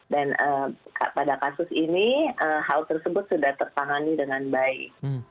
dan pada kasus ini hal tersebut sudah tertangani dengan baik